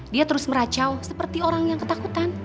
dia terus meracau seperti orang yang ketakutan